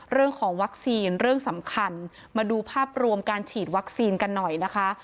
เรื่องของวัคซีนเรื่องสำคัญมาดูภาพรวมการฉีดวัคซีนกันหน่อยนะคะ